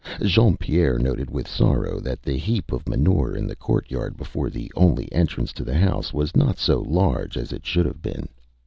Jean Pierre noted with sorrow that the heap of manure in the courtyard before the only entrance to the house was not so large as it should have been.